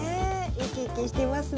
生き生きしていますね。